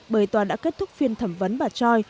bởi tòa đã kết thúc phiên thẩm vấn bà choi